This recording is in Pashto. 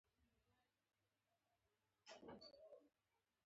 پیسې څومره له ځانه سره وړئ؟